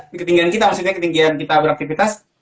di ketinggian kita maksudnya ketinggian kita beraktivitas